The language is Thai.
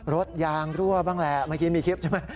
รถยางรั่วบ้างแหละเมื่อกี้มีคลิปใช่ไหม